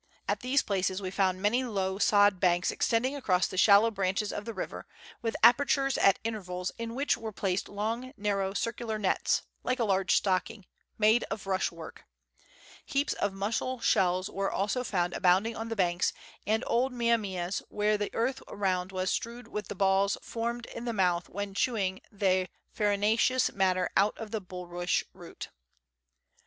At these places we found many low sod banks extending across the shallow branches of the river, with apertures at intervals, in which were placed long, narrow, circular nets (like a large stocking) made of rush work. Heaps of muscle shells were also found abounding on the banks, and old mia mias where the earth around was strewed with the balls formed in the mouth when chewing the farinaceous matter out of the bulrush root.